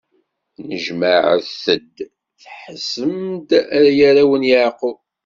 Nnejmaɛet-d, tḥessem-d, ay arraw n Yeɛqub!